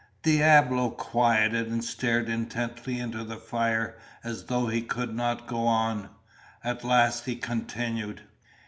Diablo quieted and stared intently into the fire, as though he could not go on. At last he continued.